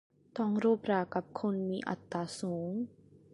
ต้องรบรากับคนมีอัตตาสูง